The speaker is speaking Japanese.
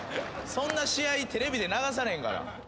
そんな試合テレビで流されへんから。